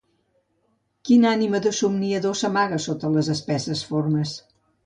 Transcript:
Quina ànima de somniador s'amagava sota les espesses formes